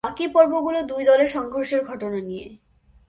বাকি পর্বগুলো দুই দলের সংঘর্ষের ঘটনা নিয়ে।